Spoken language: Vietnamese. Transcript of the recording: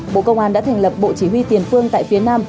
bộ công an đã thành lập bộ chỉ huy tiền phương tại phía nam